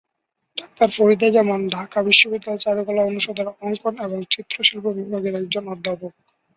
Doctor Farida Zaman Dhaka বিশ্ববিদ্যালয়ের চারুকলা অনুষদের অঙ্কন এবং চিত্রশিল্প বিভাগের একজন অধ্যাপক।